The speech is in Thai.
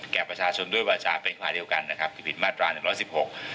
แก่ประชาชนด้วยวาจาเป็นฝ่ายเดียวกันนะครับที่ผิดมาตราหนึ่งร้อยสิบหก